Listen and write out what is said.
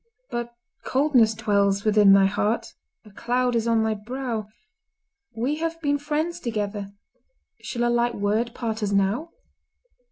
But coldness dwells within thy heart, A cloud is on thy brow; We have been friends together, Shall a light word part us now?